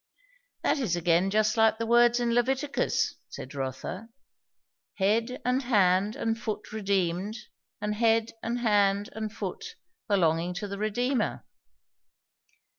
That is again just like the words in Leviticus," said Rotha; "head and hand and foot redeemed, and head and hand and foot belonging to the Redeemer."